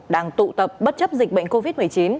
đang tụ tập bất chấp dịch bệnh covid một mươi chín